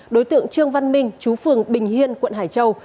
đối tượng trương văn minh chú phường bình hiên quận hải châu